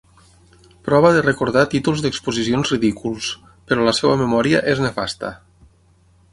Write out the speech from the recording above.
Prova de recordar títols d'exposicions ridículs, però la seva memòria és nefasta.